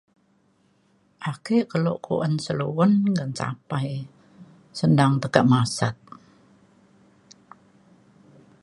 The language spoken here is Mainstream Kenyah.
ake keluk ke un selu'un ngan sapai senang tekak masat.